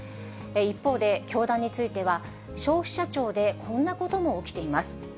一方で、教団については、消費者庁でこんなことも起きています。